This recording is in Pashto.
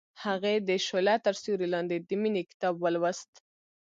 هغې د شعله تر سیوري لاندې د مینې کتاب ولوست.